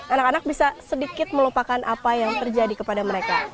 anak anak bisa sedikit melupakan apa yang terjadi kepada mereka